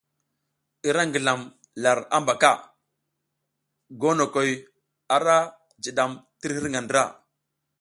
I ra ngilam lar habaka, gonokoy ara jidam tir hirga ndra.